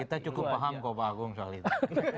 kita cukup paham kok pak agung soal itu